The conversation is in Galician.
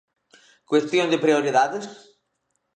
Cuestión de prioridades?